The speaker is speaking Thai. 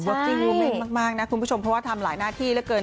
จริงโมเมนต์มากนะคุณผู้ชมเพราะว่าทำหลายหน้าที่เหลือเกิน